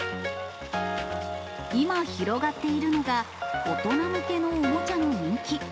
今、広がっているのが、大人向けのおもちゃの人気。